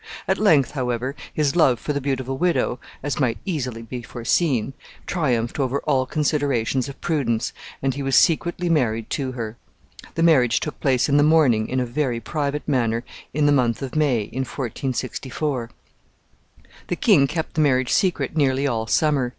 At length, however, his love for the beautiful widow, as might easily be foreseen, triumphed over all considerations of prudence, and he was secretly married to her. The marriage took place in the morning, in a very private manner, in the month of May, in 1464. The king kept the marriage secret nearly all summer.